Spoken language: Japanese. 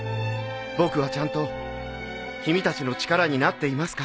僕はちゃんと君たちの力になっていますか？